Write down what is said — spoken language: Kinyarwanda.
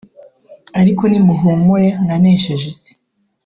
ariko nimuhumure nanesheje isi